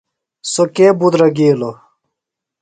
سوۡ کے بُدرَگِیلوۡ؟